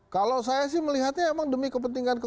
kalau saya sih melihatnya emang demi kepentingan